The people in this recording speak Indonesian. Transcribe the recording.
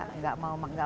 enggak males lah gitu